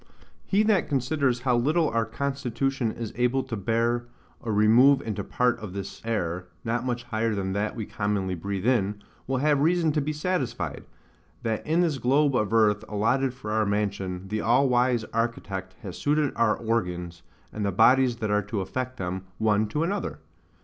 He that considers how little our constitution is able to bear a remove into part of this air, not much higher than that we commonly breathe in, will have reason to be satisfied, that in this globe of earth allotted for our mansion, the all wise Architect has suited our organs, and the bodies that are to affect them, one to another.